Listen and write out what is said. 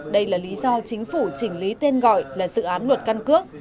đây là lý do chính phủ chỉnh lý tên gọi là dự án luật căn cước